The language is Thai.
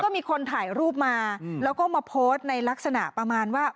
มีคนถ่ายรูปมาแล้วก็มาโพสต์ในลักษณะประมาณว่า